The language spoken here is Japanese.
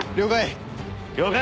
了解！